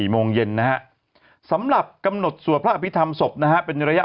โมงเย็นนะฮะสำหรับกำหนดสวดพระอภิษฐรรมศพนะฮะเป็นระยะ